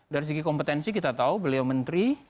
dari segi kompetensi kita tahu beliau menteri